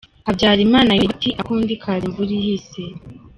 Habyarimana yongeyeho ati “Akundi kaza imvura ihise”.